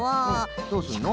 どうすんの？